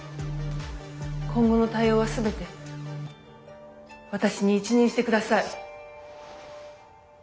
今後の対応は全て私に一任して下さい。